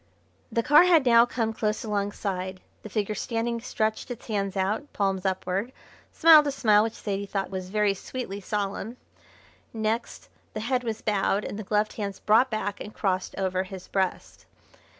The car had now come close alongside. The standing figure stretched its hands out, palms upward, smiled a smile which Zaidie thought was very sweetly solemn, next the head was bowed, and the gloved hands brought back and crossed over his breast.